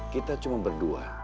kita cuma berdua